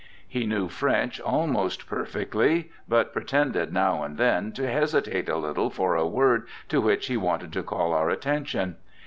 He knew French almost perfectly, but pretended, now and then, to hesitate a little for a word to which he wanted to call our attention.